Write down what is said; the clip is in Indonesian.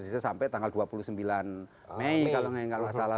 sampai tanggal dua puluh sembilan mei kalau nggak salah